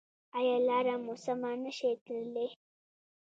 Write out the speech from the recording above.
ایا لاره مو سمه نه شئ تللی؟